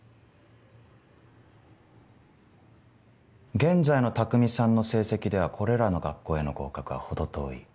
現在の匠さんの成績ではこれらの学校への合格は程遠い。